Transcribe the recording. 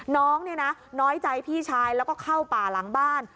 น้องเนี่ยนะน้อยใจพี่ชายแล้วก็เข้าป่าหลังบ้าน